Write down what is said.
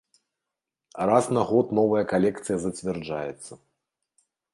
Раз на год новая калекцыя зацвярджаецца.